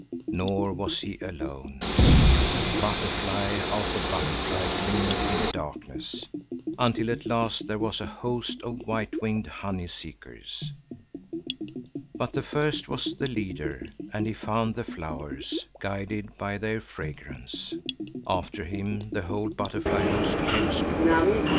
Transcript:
Nor was he alone; butterfly after butterfly glimmered in the darkness, until at last there was a host of white winged honey seekers. But the first was the leader, and he found the flowers, guided by their fragrance. After him the whole butterfly host came storming.